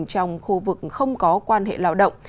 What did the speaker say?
trong khu vực không có quan hệ lao động